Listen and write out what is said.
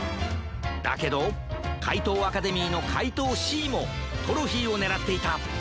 だけどかいとうアカデミーのかいとうＣもトロフィーをねらっていた。